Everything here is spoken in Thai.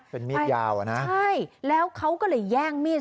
เป็นมีดยาวอ่ะนะใช่แล้วเขาก็เลยแย่งมีด